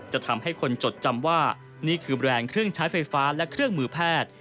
จะทำให้คนจดจำว่านี่คือแบรนด์เครื่องใช้ไฟฟ้าและเครื่องมือแพทย์